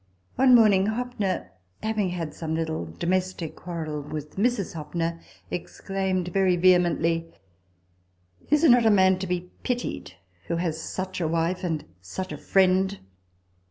One morning, Hoppner, having had some little domestic quarrel with Mrs. Hoppner, exclaimed very vehemently, " Is not a man to be pitied who has such a wife and such a friend